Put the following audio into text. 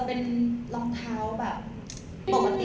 อ๋อไม่ใช่ตัวนี้นะครับ